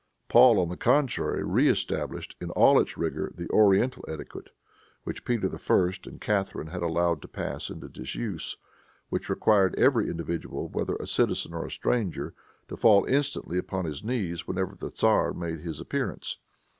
Paul, on the contrary, reëstablished, in all its rigor, the oriental etiquette, which Peter I. and Catharine had allowed to pass into disuse, which required every individual, whether a citizen or a stranger, to fall instantly upon his knees whenever the tzar made his appearance.